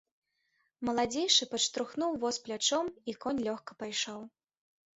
Маладзейшы падштурхнуў воз плячом, і конь лёгка пайшоў.